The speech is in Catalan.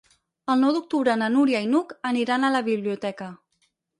El nou d'octubre na Núria i n'Hug aniran a la biblioteca.